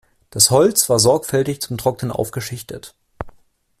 Das Holz war sorgfältig zum Trocknen aufgeschichtet.